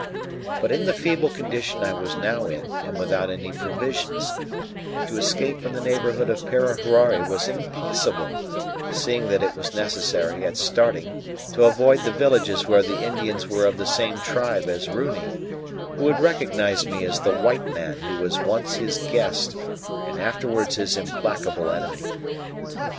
But in the feeble condition I was now in, and without any provisions, to escape from the neighbourhood of Parahuari was impossible, seeing that it was necessary at starting to avoid the villages where the Indians were of the same tribe as Runi, who would recognize me as the white man who was once his guest and afterwards his implacable enemy.